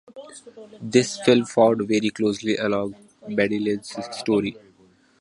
This film followed very closely along Madeleine's story.